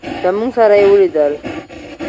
زموږ سره یې ولیدل.